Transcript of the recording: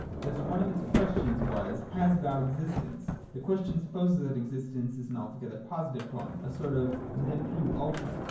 Thus, one of its questions was : Has God existence ? The question supposes that existence is an altogether positive term, a sort of ne plus ultra.